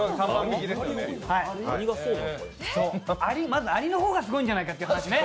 まず、ありの方がすごいんじゃないかっていう話ね。